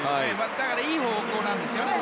だから、いい方法ですよね。